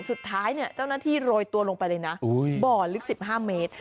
สุดท้ายเนี่ยเจ้าหน้าที่โรยตัวลงไปเลยนะบ่อลึก๑๕เมตร